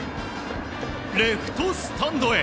レフトスタンドへ。